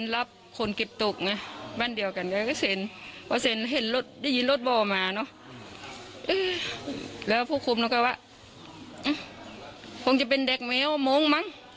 แล้วผู้คุมก็กลายว่ามงจะเป็นเด็กเมียวโมงมั้ง